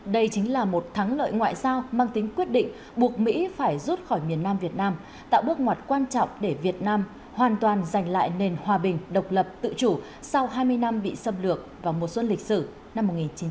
đây chính là một thắng lợi ngoại giao mang tính quyết định buộc mỹ phải rút khỏi miền nam việt nam tạo bước ngoặt quan trọng để việt nam hoàn toàn giành lại nền hòa bình độc lập tự chủ sau hai mươi năm bị xâm lược vào mùa xuân lịch sử năm một nghìn chín trăm bảy mươi